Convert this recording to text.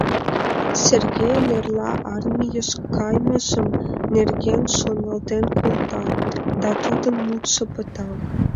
Сергейын эрла армийыш кайымыж нерген шоналтен колта, да тудын мутшо пыта.